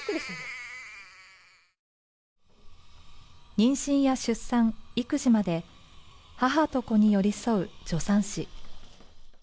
妊娠や出産、育児まで母と子に寄り添う助産師。